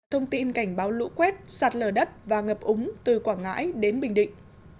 thông tin cảnh báo lũ quét sạt lở đất và ngập úng từ quảng ngãi đến bình định